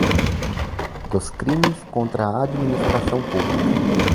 Dos crimes contra a administração pública.